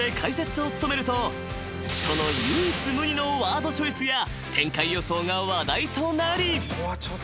［その唯一無二のワードチョイスや展開予想が話題となり］